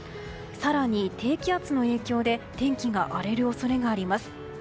更に低気圧の影響で天気が荒れる恐れがあります。